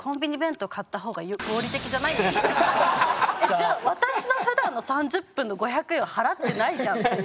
じゃあ私のふだんの３０分の５００円は払ってないじゃんっていう。